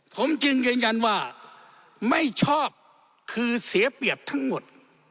ผมจึงยืนยันว่าไม่ชอบคือเสียเปรียบทั้งหมด